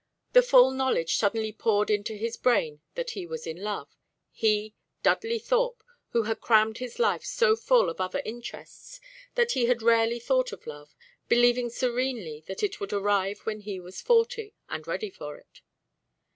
The full knowledge suddenly poured into his brain that he was in love, he, Dudley Thorpe, who had crammed his life so full of other interests that he had rarely thought of love, believing serenely that it would arrive when he was forty, and ready for it.